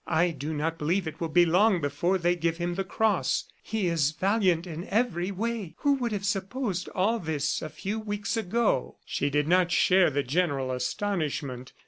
"I do not believe that it will be long before they give him the cross. He is valiant in every way. Who would have supposed all this a few weeks ago?" ... She did not share the general astonishment.